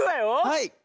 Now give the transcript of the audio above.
はい。